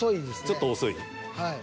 ［ちょっと遅い］